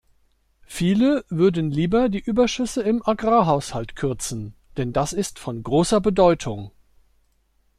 Viele würden lieber die Überschüsse im Agrarhaushalt kürzen, denn das ist von großer Bedeutung.